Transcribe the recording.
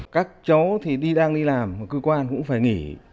các cháu thì đi đang đi làm cơ quan cũng phải nghỉ